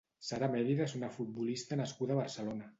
Sara Mérida és una futbolista nascuda a Barcelona.